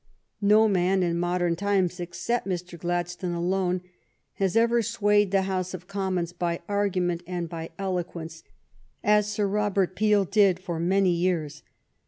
No man in modern times, except Mr. Gladstone alone, has ever swayed the House of Commons by argument and by eloquence as Sir Robert Peel did for many years.